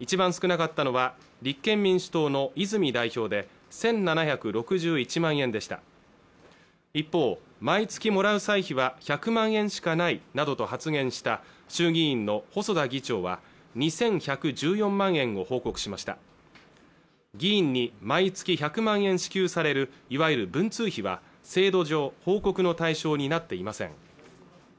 いちばん少なかったのは立憲民主党の泉代表で１７６１万円でした一方毎月もらう歳費は１００万円しかないなどと発言した衆議院の細田議長は２１１４万円を報告しました議員に毎月１００万円支給されるいわゆる文通費は制度上報告の対象になっていません